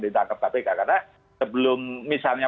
ditangkap kpk karena sebelum misalnya